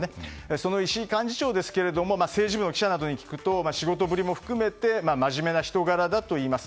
その石井幹事長ですが政治部の記者などに聞くと仕事ぶりも含めて真面目な人柄だといいます。